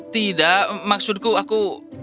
tidak maksudku aku